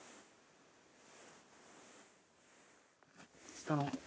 下の。